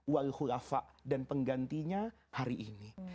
wal khulafah dan penggantinya hari ini